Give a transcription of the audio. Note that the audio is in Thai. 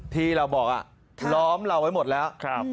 ที่เราบอกล้อมเราไว้หมดแล้ว